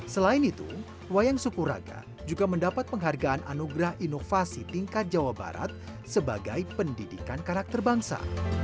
selain itu wayang sukuraga juga mendapat penghargaan anugerah inovasi tingkat jawa barat sebagai pendidikan karakter bangsa